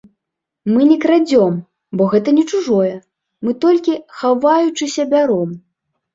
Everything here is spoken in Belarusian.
Мы не крадзём, бо гэта не чужое, мы толькі, хаваючыся, бяром!